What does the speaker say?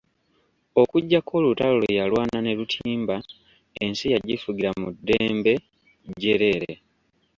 Okuggyako olutalo lwe yalwana ne Lutimba, ensi yagifugira mu ddembe jjereere.